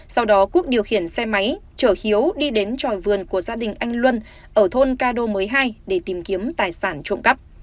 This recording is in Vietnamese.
sau đó quốc điều khiển xe máy chở hiếu đi đến tròi vườn của gia đình anh luân ở thôn ca đô mới hai để tìm kiếm tài sản trộm cắp